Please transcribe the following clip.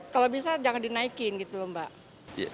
kalau bisa jangan dinaikin gitu loh mbak